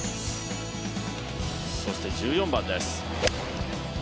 そして１４番です。